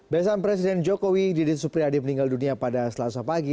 besan presiden jokowi didin supriyadi meninggal dunia pada selasa pagi